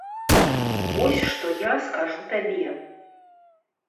Вось што я скажу табе.